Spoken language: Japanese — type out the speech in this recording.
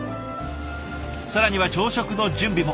更には朝食の準備も。